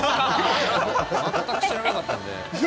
全く知らなかったんで。